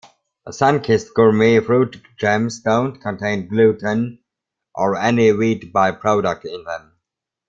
Sunkist Gourmet Fruit Gems don't contain Gluten, or any wheat by-product in them.